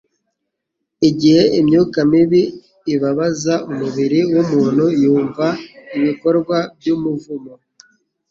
Igihe imyuka mibi ibabaza umubiri w'umuntu yumva ibikorwa by'umuvumo;